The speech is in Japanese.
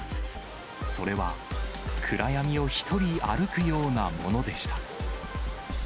それは暗闇を一人歩くようなものでした。